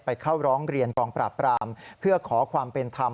เข้าร้องเรียนกองปราบปรามเพื่อขอความเป็นธรรม